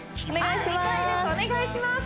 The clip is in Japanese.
お願いします